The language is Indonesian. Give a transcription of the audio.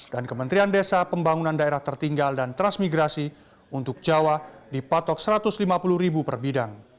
dan kementerian desa pembangunan daerah tertinggal dan transmigrasi untuk jawa di patok rp satu ratus lima puluh per bidang